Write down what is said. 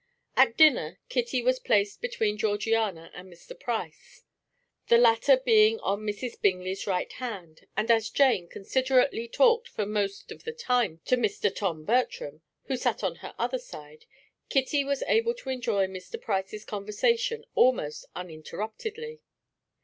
At dinner, Kitty was placed between Georgiana and Mr. Price, the latter being on Mrs. Bingley's right hand; and as Jane considerately talked for most of the time to Mr. Tom Bertram, who sat on her other side, Kitty was able to enjoy Mr. Price's conversation almost uninterruptedly.